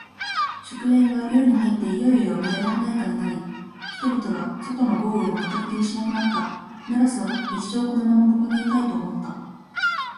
祝宴は、夜に入っていよいよ乱れ華やかになり、人々は、外の豪雨を全く気にしなくなった。メロスは、一生このままここにいたい、と思った。